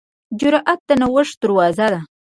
جرأت د نوښت دروازه ده.